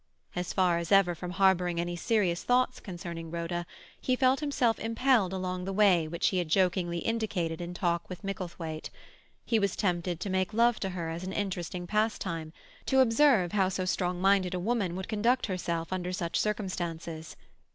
As far as ever from harbouring any serious thoughts concerning Rhoda, he felt himself impelled along the way which he had jokingly indicated in talk with Micklethwaite; he was tempted to make love to her as an interesting pastime, to observe how so strong minded a woman would conduct herself under such circumstances.